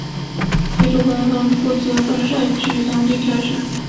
由主办方负责在分赛区当地挑选。